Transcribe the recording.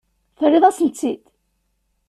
Terriḍ-asent-tt-id.